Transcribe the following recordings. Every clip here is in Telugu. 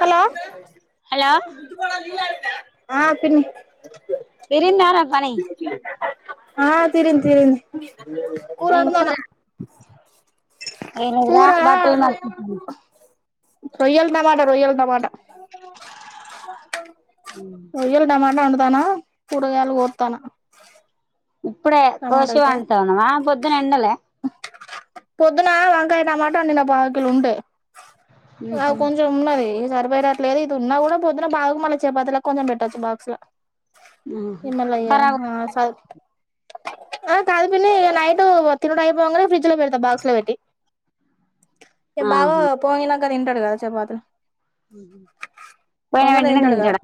హలో హలో ఆ పిని ప్రరిందార పని ఆ తిరిన్ తిరిన్ ఇంకో పూరనుందనా ఏనుగురా పూరా బట్టలు మర్చుతుంది రొయ్యల్ద మాట రొయ్యల్దమాట ఒయల్డమాంట ఉ తనా కూరగాయలు కొతానా ఇప్పుడే కోశి వండుతున్నవా, ఆ పొద్దున్నే అండలే. పొద్దున వంకాయ టమాట అండిన పావుకిలో ఉంటే అ ఉహు కొంచెం ఉన్నది సరి వేరేట్లేదు ఇది ఉన్నా కూడా పోద్దున్నా ఉహు ఎన్నలయ్య ఖరాబ్ ఆ సా ఆ కాదు పిన్ని నైట్ తినడం అయిపోంగనే ఫ్రిడ్జ్ లో పెడతా బాక్స్ లో పెట్టి ఏ బావా ఆహా పోయిల తింటడుగా కదా చెపాతులు పోయిన పోంగలి వెంటనే తింటాడు కదా తింటాడా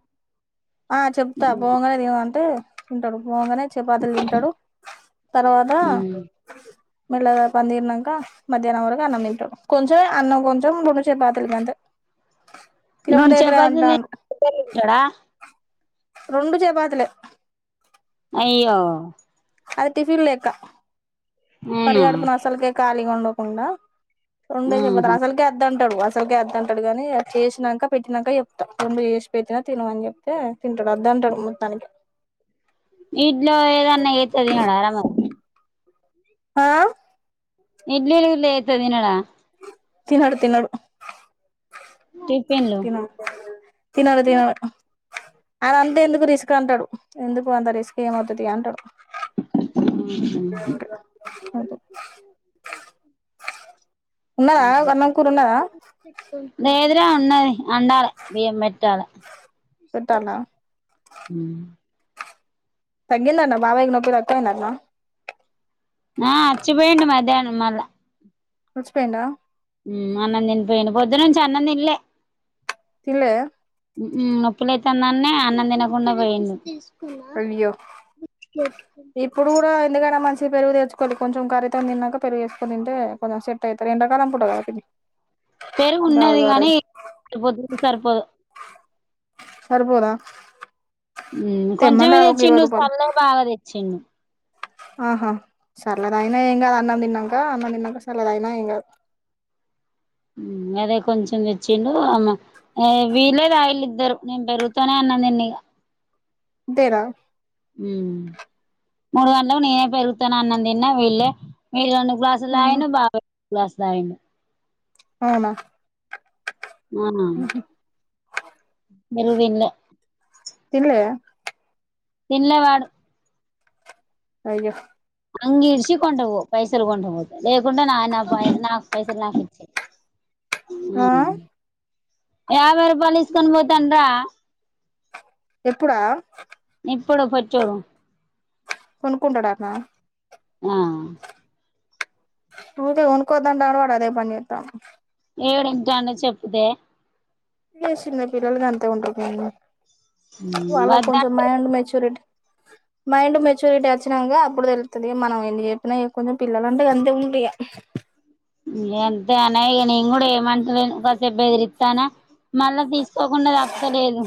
ఆ చెప్తా పొంగలే తినమంటే తింటడు పోంగనే చెపా టడు తర్వాత మెల్లగా పనితిరినంకా మధ్యాహ్నం వరకు అన్నం తింటడు, కొంచెంమే అన్నం కొంచెం, రెండు చపాతీలు గంతే రెండు తినబుద్ధి అయితలే చెపాతిలు అంటాండు తిని [inaudible] ఉంటడా. రెండు చెపాతులే అయ్యో అది టిఫిన్ లేక్క అవునా పరగడుపున అసలుకే కాలిగ ఉండు అవునా రెండే ఆహా చెపాతీలు అసలీకే అద్దు ంటడు అసలీకే అద్దు అంటడు కాని చేసినంకా పెట్టినంకా చెప్తా, రెండు చేసి పెట్టినా తిను అని చెప్తే తింటడు అద్దు అంటాడు మొత్తానికే ఇడ్లో ఏదన్నా చేత్తే తినడారా మరి ఆ ఇడ్లీలు గిట్ల చేత్తే తినడా తినడు, తినడు. టిఫిన్లు తిన తినాల తినాల అదంతా ఎందుకు రిస్క్ అంటడు ఎందుకు అంత రిస్క్ ఏమొద్దుతి అంటడు. ఉన్నదా అన్నాం, కూరున్నదా. అదే ఉన్నది. అండాల బియ్యం పెట్టాలా పెట్టాల్నా హ తగ్గిందంటనా బాబయికి నొప్పి తక్కువ అయిందంటనా ఆ అచ్చిపోయిండు మధ్యాహ్నం మళ్ళ వచ్చి పోయిండ అన్నం తినిపోయిండు పొద్దునుంచి అన్నం తిన్లే తిన్లేదా హ్ నొప్పులైతధన్యా అన్నం తినకుండా పోయిండు అయ్యో ఇప్పుడు కూడా ఎందుకైనా మంచ్ పెరుగు తెచ్చుకోలి కొంచం కరీతోన్ తిన్నాక. పెరుగేసుకోన్ తింటె కొదిగా సెట్ అయితర్. ఎండ కాలం పూట కాబట్టి పేరుగు ఉన్నది గాని. సరిపోతుందో సరిపోదో సరిపోదా హ్మ్ తెమ్మని కొంచెమే రాదు ఒక ఇరవై తెచ్చిడు. రూపాయలు చల్లగా బాగా తెచ్చిండు ఆహా సర్లదయినా ఏం గాదు. అన్నం దిన్నాంక, అన్నం తిన్నాంక సల్లగా దగిన ఏం గాదు హ్మ్ అదే కొంచెం తెచ్చిండు. అమ్ అయ్ వీళే తగిల్లిద్దరు. నేను పెరుగుతూనే అన్నం దీన్నిగా తేరా హ్మ్ మూడు గంట్లకు నేనే పెరుగుతోన్ అన్నం దిన్న వీళ్ళే విల్నన్ను గ్లాసులు దగినా బాబాయ్ గ్లాస్ దాగిన అవునా ఆ బెరుగు దిన్యా తిన్లేదా తిన్లె వాడు అయో అంగిరిషి కొండభో పైస్సల్ కొండపోతే. లేకుండా నా నా పై నా పైసల్ నాకిచ్చేయ్ హూ ఆ యాభై రూపాల్ తీసుకొన్ పోతాండ్రా ఎప్పుడా ఇప్పుడు పచ్చోడు కొనుకుంటడట్నా ఆ ఊకే కొన్కోదంటండ్ కాన్ వాడ్ అదే పన్జేతండ్ ఏడింటండు చెపితే ఏ సిన్న పిల్లలుగాంతే ఉంట్రుగానీ వాళ్ళ కొంచెం వద్దంటే మైండ్ మెచ్యూరిట్ మైండ్ మెచ్యూరిటీ ఆచ్చిన్నాంగా. అప్పుడు తెలుతది మనం ఎన్ని జెప్పినా [unintelligible] కొంచెం పిల్లలంటే అంతే ఉండ్రిగా ఇగ్ ఎంతే అనయ్ నేను గుడా ఏమంటలేను. గాసేపు బెదిరిత్తనా మళ్ళా తీసుకోకుండా తప్పతలేదు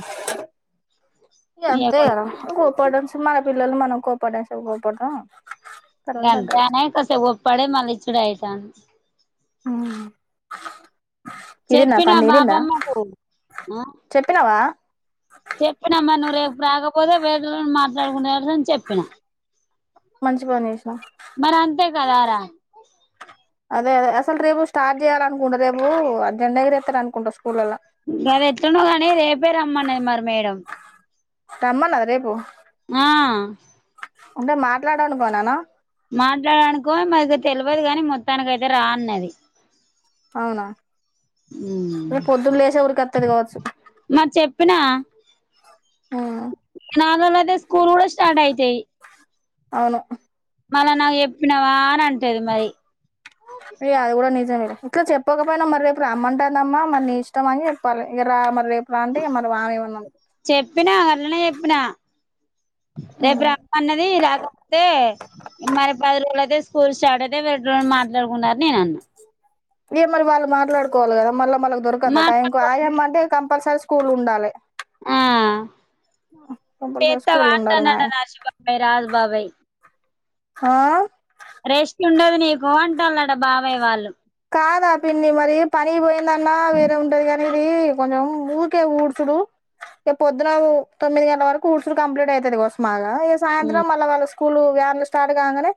ఇగ్ అంతే గదా [unintelligible] పిల్లలు మనం కోపడషా [unintelligible] ఇంగంతే అనే కాసేపు గోప్పడే మల్లిచ్ ఇక్కడయితన్ హు హు ఇనిందా చెప్పినా పంది ఇనిందా బాపమ్మకు ఆ చెప్పినవా చెప్పినమ్మా నువ్వు రేపు రాకపోతే వేరొళ్ళని మాట్లాడు [unintelligible] చెప్పిన మంచి పని చేసినవ్ మరి అంతే కదారా అదే అదే అలు రేపు స్టార్ట్ చేయాలనుకుంట రేపు అ జెండా ఎగురేతారు అనుకుంటా స్కూల్ల్లో సరే ఎట్లనో కాని రేపే రమ్మన్నది మరి మేడం రమ్మనాదా రేపు ఆ అంటే మాట్లాడనుకోనానా మాట్లాడనుకో మారి ఇగ తెల్వదు కానీ మొత్తానికైతె రా అన్నది అవునా ఆమ్, రేపు పొద్దున్న లేసే ఉరికొత్తది కావచ్చు మరి చెప్పినా ఉమ్ నాగ రేప్ స్కూల్ కూడా స్టార్ట్అయితయ్ అవును మళ్ళ నాకు చెప్పినవా అని అంటది మరి ఇ అది కూడా నిజమేలే ఇట్లా చెప్పకపోయినా మరి రేపు రమ్మాంటాందమ్మా నీ ఇష్టం అని చెప్పాలి ఇక రా మరి రేపు అంటే మరి వామై ఉన్నం చెప్పిన గాట్లనే చెప్పిన రేపు రమ్మనది రాకపోతే మరి పది రోజులైతే స్కూల్ స్టార్ట్ అయితయ్ వీరోటోళ్ళని మాట్లాడుకుందాట నినన్న ఇగ మరి వాళ్ళు మాట్లాడుకోవాలి కదా మళ్ళ మనకు దొరుకొద్ద టైం కు మాట్లాడుకో ఆయమ్మంటే కంపల్సరి స్కూ ల్ ఉండాలే ఆ కంపల్సరీ ఏత స్కూల్ ఉండాలి నాయే వాంటనటనాశ బబై రాజుబాబై హా రెస్ట్ ఉండది నీకు అంటల్లాట బాబాయ్ వాళ్ళు కాదా పిన్ని మరి పని పోయిందంన్నా వేరే ఉంటదిగాని ఇది కొంచెం ఊకే ఊడ్చడు రేప్ పొద్దున తొమ్మిది గంటల వరకు ఊడ్చుడు కంప్లీట్ అవుతది కావచ్చు మాగా గ‌ సాయంత్రం మళ్ళ వాళ్ళ స్కూలు వ్యాన్లు స్టార్ట్ కాంగానే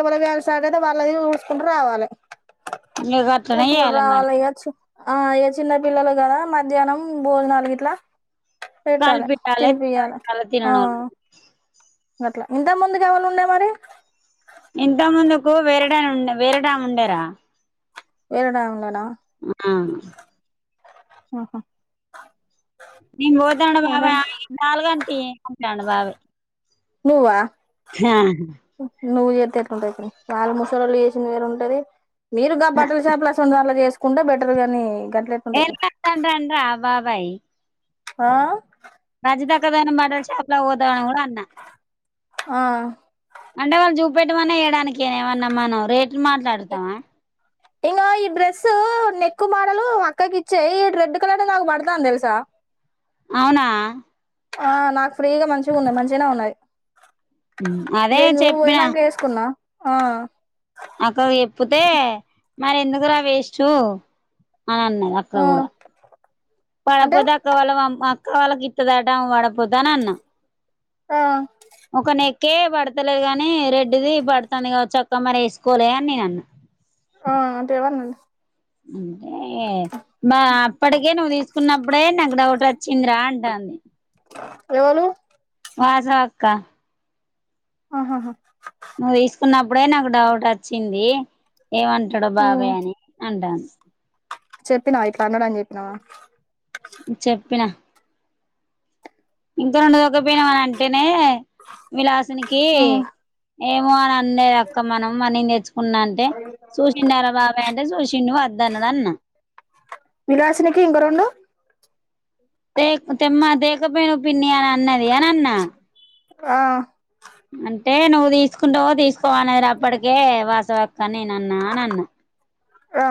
ఎవరు వ్యాను స్టార్ట్ అయితే వాళ్ళది ఉడ్సుకుంట రావాలి ఇగ గట్లనే ఊడ్చుకుంటూ జేయాలి మరి రావాలి ఇక ఆ ఇగ చిన్న పిల్లలు కదా మధ్యాహ్నం భోజనాలుగిట్లా పెట్టాలి కలిపియాలె తినిపియ్యాలి తినబెట్టాలె ఆ తిననోళ్ళు అట్ల ఇంత ముందుకు ఎవలుండె మరి ఇంతకుముంద కు వేరేటయన ఉండే వేరే గాముండెరా వేరేటమే ఉండేనా ఆ ఆహా నేను పోతాండ సరే బావా నాల్గంతి ంటాండు బావే నువ్వా హా నువ్వు చేతే ఎట్లుంటది వాళ్ళ ముసలోళ్ళు చేసింది వేరుంటది మీరుగా బట్టల షాప్ల అశొంఠిదాంట్లో చేసు కుండ బెటర్ గానీ.. ఏన్ కాతానన్్ర [inaudible] బాబాయ్ ఆ బజ దాకాదాని [unintelligible] బట్టల షాప్ లో వద్దు అని కూడా అన్నా ఆ అంటే వాళ్ళు చూపెట్ట్టమనియనడానికిే ఏమన్నా మనం రేట్ మాట్లాడుతావా ఇంగో ఈ డ్రెస్సు నెక్ మోడలు అక్కకి ఇచ్చాయి ఈ రెడ్ కలర్ నాకు పడతాంది తెలుసా- అవునా ఆ నాకు ఫ్రీగ మంచిగ ఉన్నా మంచిగానే ఉన్నాయి అదే రదే నువ్వు చెప్పిన పోయినాక ఏసుకున్నా ఆ అక్కకు చెప్పతే మరి ఎందుకు రా వేస్టు అని అన్నది అక్క ఆ కూడా అంటే పడకపోతే అక్కవాళ [inaudible] కవాలగిత్త ద టంగ వాడ పొద్ద నా అన్న ఆమ్ కేే పడతలేదు గాని రెడ్డిది పడుతాంది గా చక్కా మరి వేసుకోలే అని నేనన్న ఆ అంటే ఎవన్నడు [inaudible] బ అప్పటికే నువ్వు తీసుకున్నప్పుడే నాకు డౌట్ వచ్చింది రా అంటాంది ఎవలు వాసవక్క ఆహాహా,. నువ్వు తీసుకున్నప్పుడే నాకు డౌట్ వచ్చింది ఏమంటడో బాబాయ్ అని అంటాను [inaudible] చెప్పినా ఇట్లా అన్నడని చెప్పినా ఇంత [inaudible] ఉకపోయినావ ఆని అంటేనే విలాసినికి ఉమ్ ఏమో అని అన్న అక్క మనం అన్ని నేర్చు ఉన్నా అంటే సూషిండారా బాబాయ్ అంటే సూషిండు వద్దన్నడు అన్న విలాసినికి ఇంకో రెండు దేక్ తెమ్మ దేక్ ఇక పోయిను పిన్ని అన్నది అని అన్న ఆ అంటే నువ్ తీసుకుంటావో తీసుక్ తో అనేరప్పటికే వాస్ చో అక్క నేనన్న అనన్నా ఆ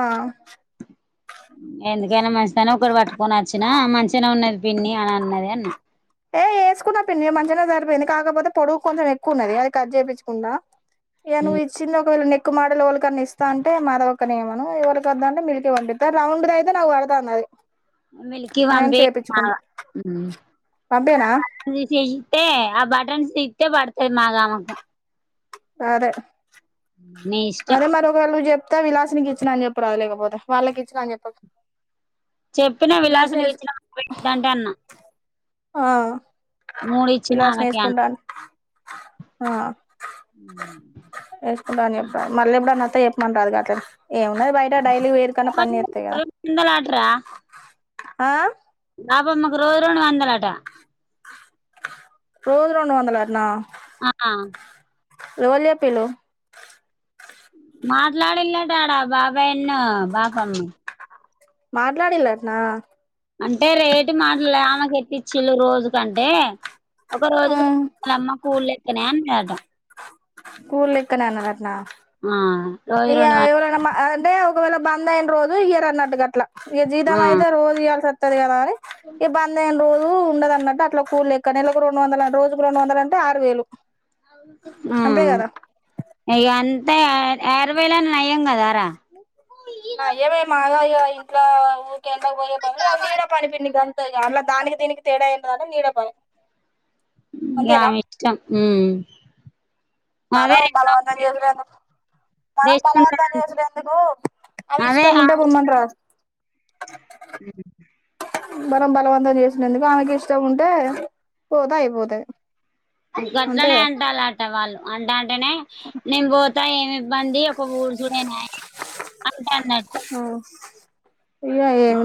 ఎందుకైనా మంచి తన ఒకటి పట్టుకొని వచ్చినా మంచిగనే ఉన్నది పిన్ని అనన్నది అన్న ఏ ఏసుకున్నా పిన్ని మంచిగనే సరిపోయింది కాకపోతే పొడుగు కొంచెం ఎక్కువున్నది అది కట్ చేపిచ్చుకున్నా ఇగ నువ్విచ్చింది ఒకవేళ నెక్ క్కు మాడులోలికి ఇస్తా అంటే మాధవక్కని ఇయమను ఎవలికీ వద్దాంటే మిల్కీ పంపిత్తా రౌండ్ దైతే నాకు పడతాందది మిల్కీ వంబి మా అంబేనా తే ఆ బటన్స్ తీత్తే పడతది బాగా మాకం అదే నీ ఇష్టం అరే మారుకలు జెప్ ప్తా విలాసినికి ఇచ్చిన అని చెప్పరాదు లేకపోతే వాళ్ళకి ఇచ్చిన అని చెప్పకు చెప్పినా విలాసిని విలాసునికి వేసు ఇచ్చిన పెట్టేంట్ అన్న ఆ మూడు ఇచ్చిన విలాసిని ఆమెకి అన్ వేసుకుంటాను ఆ ఏసుకుంటా అని చెప్పారా మళ్ళేప్పుడన్న అత్తే చెప్పమని రాదు కా అట్ ఏ ఉన్నయి బయట డైలీ వేరుకన్న పన్ చేత్తాయిగా వందలాటరా ఆ నాపమనకు రోజు రో వందలాట రోజు రెండు వందలన్న ఆ లోల్ చెప్పిళ్లు మాట్లాడిలాటడా బాబాయి న్న బాపమ్మ మాట్లాడిలటనా అంటే రేటు మాటలమక ఎట్చ్చళ్ళు రోజుకంటే ఒక రోజుకు వాళమ్మ కూళ్ళ ఎక్కనే అనిట స్కూల్ ఇక్క అన్నరట్న ఆ రోజు ఇగ రెండు వం ఎవరన్న అంటే ఒకవేళ బందైయిన రోజు ఇయరన్నట్టు గట్ల ఇగ ఆ జీతమైతే రోజు ఇయల్సి తదిగదా తే ఏ బందైంరు ఉండద అన్నట్టు అట్లా కూ ెక్క నెలకు రెండు వందలు రజుకు రెండు వందల అంటే ఆరు వేలు సం బేగదా అ రవైలని నయ్యం కదాారా నా భై మాగా ఇ ఎ పో పలు నడ పని పని గ అలా దానికి దీనికి తేడా ఏద నీడపో ను ఇష్టం మనం అదే బలవంతం చేసినందుకు మనం రెస్ట్ బలవంతం ఉంటది చేసినందుకు అవి అదే ఇష్టం ఉంటే పొమ్మంట రా ఉ మరం బలవంతం చేసిన ఎందుకు ఆమెకి ఇష్టం ఉంటే పోతా అయిపోతాది ఇంక అట్లనే అంటాలట వాళ్ళు అంట అంటేనే నేను పో ఇ ఏమి ఇబ్బంది ఒక ఊరు చూడనా అ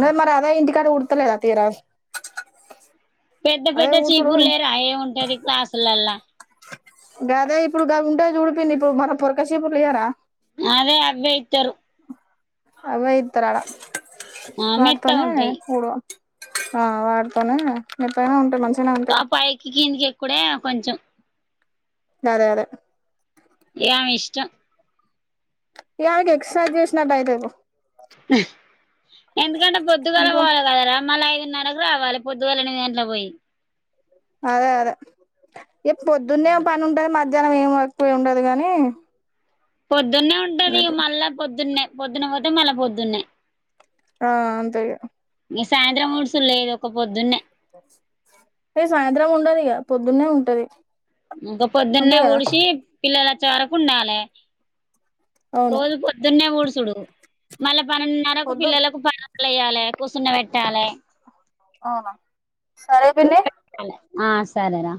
అ మరి అదా ఇంటి ఇ ఉడతలేదా తీరా పెద్ద అదే పెద్ద ఊడ్చుడు చీపుర్లే రా ఏ ఉంటది క్లాసులలా గదే ఇప్పుడుగా ఉంటే చూడిపింది ఇప్పుడు మన పొరకాసేపులుయ్యార అదే అబ్బా అయితారు అ ఇ తరాడా ఆ మెత్తగా వాటితోనే ఉంటాయి కూూడు ఆ వాడుతోనే మీ పైన ఉంటాయి మంచి తపాయకికి కూడాడ కొంచం అదే అదే ఏమి ఇష్టం ఇకి ఎక్సర్సైజ్ చేసిన బైట ఎందు పొద్దుగాల ఎందుకు పోవాలి కదరా మళీ నకు రావాలి పొద్దుగాల ఎనిమిది గంటల పోయి అదే అదే ఇ పొద్దున్నే పని ఉంటది మ జనం ఏం వక్ ఉండదు గాని పొద్దున్నే ఉంటది మళ్ళా పొద్దున్నే పొద్దున్న పోతే మళ్ళా పొద్దునే, ఆ అంతేగా, ఇక సాయంత్రం ఉడుసు లేదు ఒక పొద్దున్నే, అ సాయంత్రం ఉండదు ఇగ పొద్దున్నే ఉంటది, ఇగా అంతే పొద్దున్నే కదా వుడిచి పిల్లలు వ వచ్చే వరకు ఉండాలే, అవును రోజు పొద్దున్నే ఊడుస్తా ఉడుసుడు మల్ల పదినారాకు పొద్దున్ పిల్లలకు, బాల్లాలు వేయాలి కూసున్న పెట్టాలే, అవునా సరే పిన్ని, ఆ సరేరా